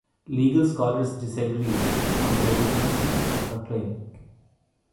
Legal scholars disagree on the legitimacy of her claim.